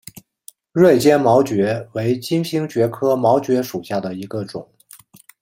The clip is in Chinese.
锐尖毛蕨为金星蕨科毛蕨属下的一个种。